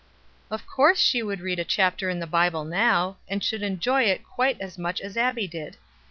Of course she could read a chapter in the Bible now, and should enjoy it quite as much as Abbie did.